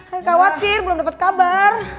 gak khawatir belum dapet kabar